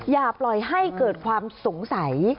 อย่าปล่อยให้เกิดความสงสัย